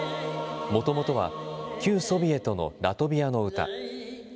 もともとは旧ソビエトのラトビアの歌。